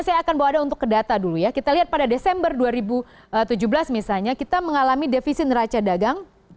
saya akan bawa ada untuk ke data dulu ya kita lihat pada desember dua ribu tujuh belas misalnya kita mengalami defisit neraca dagang